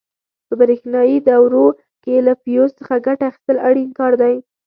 په برېښنایي دورو کې له فیوز څخه ګټه اخیستل اړین کار دی.